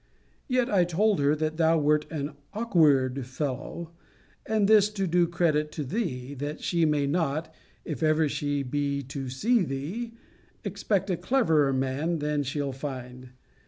Yet I told her, that thou wert an awkward fellow; and this to do credit to thee, that she may not, if ever she be to see thee, expect a cleverer man than she'll find.